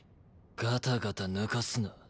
ガタガタ抜かすな。